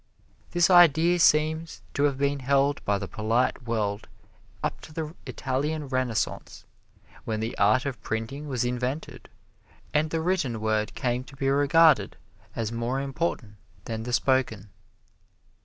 This idea seems to have been held by the polite world up to the Italian Renaissance, when the art of printing was invented and the written word came to be regarded as more important than the spoken.